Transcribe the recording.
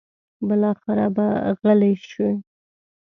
بالاخره به غلې شي.